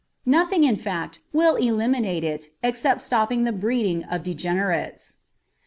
Nothing, in fact, will eliminate it except stopping the breeding of degenerates.